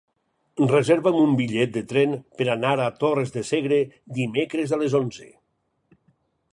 Reserva'm un bitllet de tren per anar a Torres de Segre dimecres a les onze.